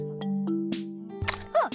あっ！